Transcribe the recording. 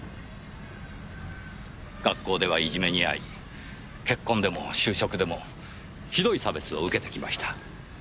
学校ではいじめに遭い結婚でも就職でもひどい差別を受けてきました。